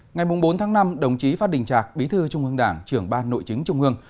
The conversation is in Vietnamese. ngày bốn tháng năm đồng chí phát đình trạc bí thư trung ương đảng trưởng ban nội chính trung ương